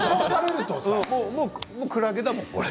もうクラゲだもん、これ。